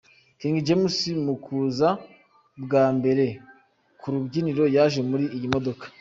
King James mu kuza bwa mbere ku rubyiniro yaje muri iyi modoka.